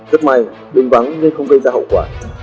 rất may bình vắng nên không gây ra hậu quả